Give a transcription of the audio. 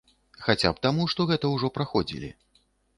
Хаця б таму, што гэта ўжо праходзілі.